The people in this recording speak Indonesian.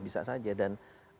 bisa saja dan